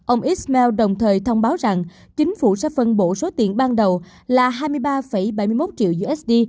ông ismail đồng thời thông báo rằng chính phủ sẽ phân bổ số tiền ban đầu là hai mươi ba bảy mươi một triệu usd